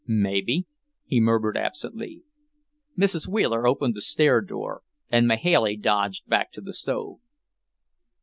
"Maybe," he murmured absently. Mrs. Wheeler opened the stair door, and Mahailey dodged back to the stove.